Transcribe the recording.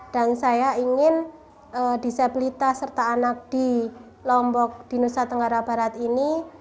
dan saya ingin disabilitas serta anak di lombok di nusa tenggara barat ini